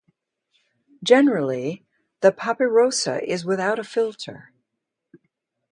Generally, the papirosa is without a filter.